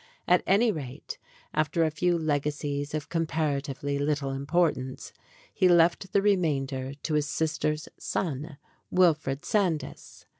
At any rate, after a few legacies of comparatively little im portance, he left the remainder to his sister's son, Wilfred Sandys.